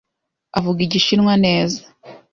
Avuga Igishinwa neza.